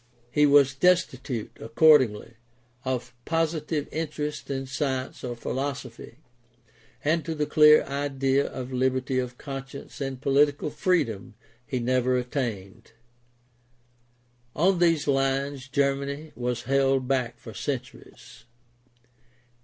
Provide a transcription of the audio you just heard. He was destitute, accordingly, of positive interest in science or philosophy, and to the clear idea of liberty of conscience and political freedom he never attained. On these lines Germany was held back for centuries.